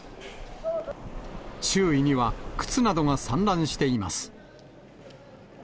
周囲には、靴などが散乱しています。